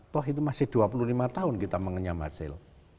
toh itu masih dua puluh lima tahun kita mengenyam hasil